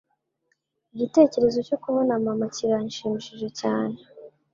Igitekerezo cyo kubona mama kiranshimishije cyane.